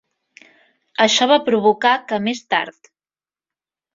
Això va provocar que més tard.